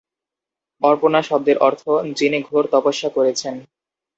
অপর্ণা শব্দের অর্থ, যিনি ঘোর তপস্যা করেছেন।